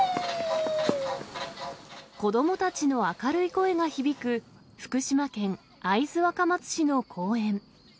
子どもたちの明るい声が響く福島県会津若松市の公園。